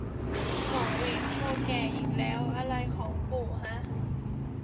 หมอเหวงโชว์แก่อีกแล้ว อะไรของปู่ฮะ